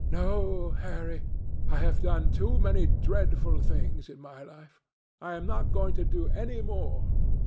"No, Harry, I have done too many dreadful things in my life. I am not going to do any more.